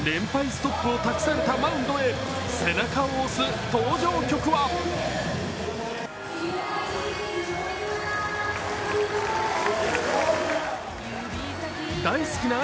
ストップを託されたマウンドへ、背中を押す登場曲は大好きな